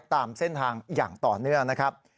ตามเส้นทางอย่างต่อเนื่องนะครับ